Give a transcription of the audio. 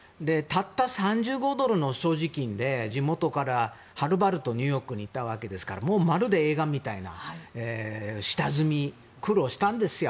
たった３５ドルの所持金で地元からはるばるニューヨークまで来たわけですからまるで映画みたいに下積み、苦労したんですよ。